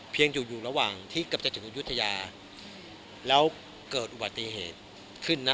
อยู่อยู่ระหว่างที่เกือบจะถึงอายุทยาแล้วเกิดอุบัติเหตุขึ้นนะ